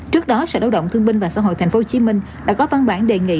trước đó sở đông động thương binh và xã hội tp hcm đã có văn bản đề nghị